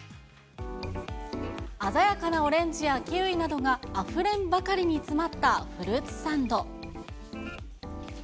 鮮やかなオレンジやキウイなどがあふれんばかりに詰まったフルーツサンド。